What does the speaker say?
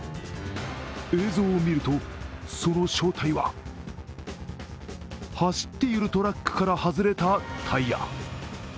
映像を見ると、その正体は走っているトラックから外れたタイヤ。